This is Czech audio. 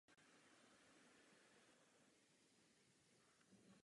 Vzhledem k velkému počtu úředních jazyků má Jihoafrická republika více oficiálních názvů.